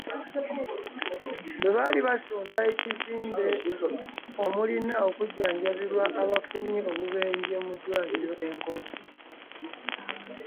Bwe baali basonda ekizimbe omulina okujjanjabirwa abafunye obubenje muddwaliro e Nkozi